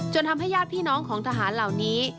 ทำให้ญาติพี่น้องของทหารเหล่านี้